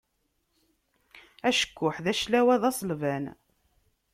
Acekkuḥ d aclawa,d aselban.